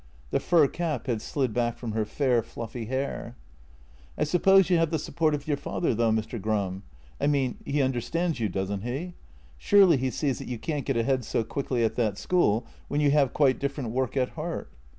The fur cap had slid back from her fair, fluffy hair. " I suppose you have the support of your father, though, Mr. Gram — I mean, he understands you, doesn't he? Surely he sees that you can't get ahead so quickly at that school, when you have quite different work at heart?